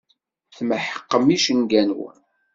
Tmeḥqem icenga-nwen.